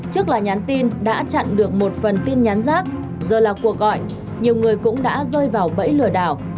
trước là nhắn tin đã chặn được một phần tin nhắn rác giờ là cuộc gọi nhiều người cũng đã rơi vào bẫy lừa đảo